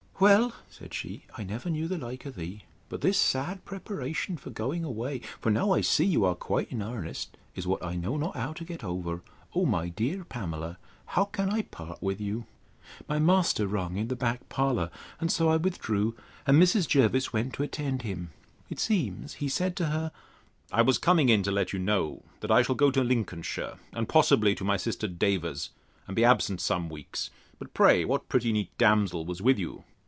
Well, said she, I never knew the like of thee. But this sad preparation for going away (for now I see you are quite in earnest) is what I know not how to get over. O my dear Pamela, how can I part with you! My master rung in the back parlour, and so I withdrew, and Mrs. Jervis went to attend him. It seems, he said to her, I was coming in to let you know, that I shall go to Lincolnshire, and possibly to my sister Davers's, and be absent some weeks. But, pray, what pretty neat damsel was with you?